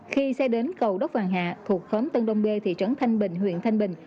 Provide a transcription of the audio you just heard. khi xe đến cầu đốc vàng hạ thuộc khóm tân đông b thị trấn thanh bình huyện thanh bình